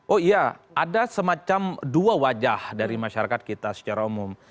oh iya ada semacam dua wajah dari masyarakat kita secara umum